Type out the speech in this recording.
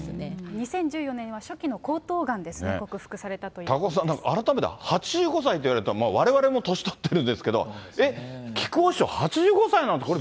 ２０１４年は初期の喉頭がんですね、克服されたということで高岡さん、改めて８５歳といわれると、われわれも年取ってるんですけど、えっ、木久扇師匠、８５歳なの。